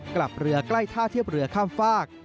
กลับเรือใกล้ท่าเทียบเรือข้ามฝาก